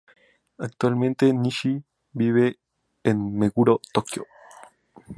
Actualmente, Nishi vive en Meguro, Tokyo.